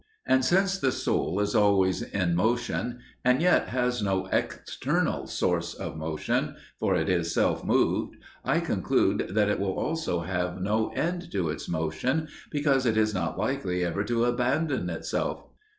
And since the soul is always in motion and yet has no external source of motion, for it is self moved, I conclude that it will also have no end to its motion, because it is not likely ever to abandon itself.